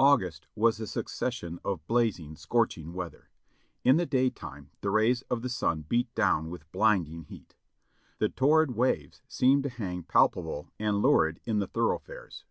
August was a succession of blazing, scorching weather; in the daytime the rays of the sun beat down with blinding heat. The torrid waves seemed to hang palpable and lurid in the thorough fares.